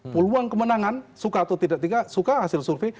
peluang kemenangan suka atau tidak suka hasil survei